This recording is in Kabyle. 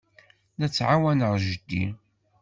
La ttɛawaneɣ jeddi.